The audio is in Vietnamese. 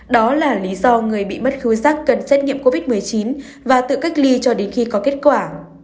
đó là lý do người bị mất khối rác cần xét nghiệm covid một mươi chín và tự cách ly cho đến khi có kết quả